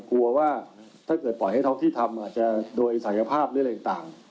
กลัวว่าถ้าเกิดปล่อยให้ท้องที่ทำอาจจะโดยศักยภาพหรืออะไรต่าง